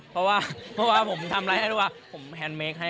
เพราะว่าผมทำอะไรให้หนู